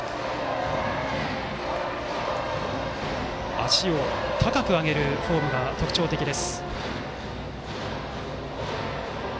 足を高く上げるフォームが特徴的です。